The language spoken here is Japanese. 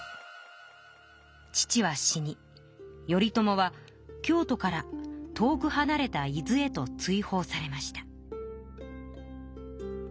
父は死に頼朝は京都から遠くはなれた伊豆へと追放されました。